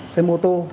xe mô tô